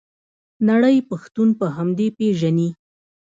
نړۍ پښتون په همدې پیژني.